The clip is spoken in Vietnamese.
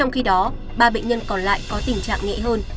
trong khi đó ba bệnh nhân còn lại có tình trạng nhẹ hơn